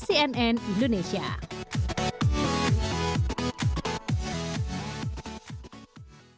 sekarang wfa ternyata jauh lebih nyaman